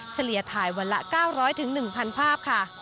เฉียถ่ายวันละ๙๐๐๑๐๐ภาพค่ะ